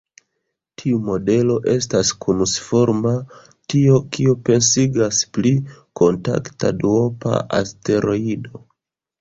Tiu modelo estas konusforma, tio, kio pensigas pri kontakta duopa asteroido.